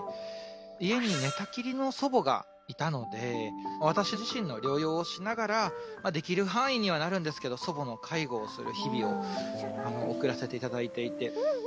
家に寝たきりの祖母がいたので私自身の療養をしながらできる範囲にはなるんですけど祖母の介護をする日々を送らせて頂いていて。